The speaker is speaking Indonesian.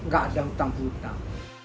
gak ada hutang hutang